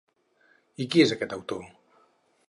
I qui és aquest autor?